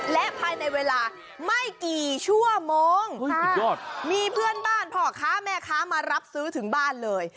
และภายในเวลาไม่กี่ชั่วโมงคุณสุดยอดมีเพื่อนบ้านพ่อค้าแม่ค้ามารับซื้อถึงบ้านเลย